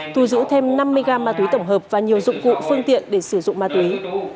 thu giữ thêm năm mươi gram ma túy tổng hợp và nhiều dụng cụ phương tiện để sử dụng ma túy